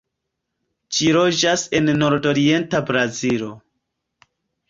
Ĝi loĝas en nordorienta Brazilo.